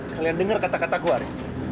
kalian denger kata kata gue ari